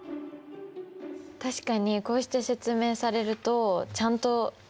確かにこうして説明されるとちゃんと読めますね。